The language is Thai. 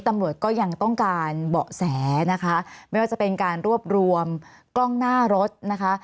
ตำรวจก็ยังต้องการเบาะแสนะคะไม่ว่าจะเป็นการรวบรวมกล้องหน้ารถนะคะ